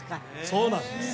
そうなんです